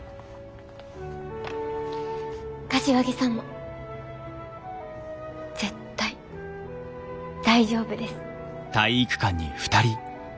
柏木さんも絶対大丈夫です。